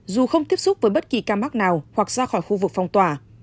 dù không tiếp xúc với bất kỳ ca mắc nào hoặc ra khỏi khu vực phong tỏa